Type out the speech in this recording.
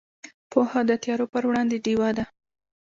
پوهه د تیارو پر وړاندې ډیوه ده.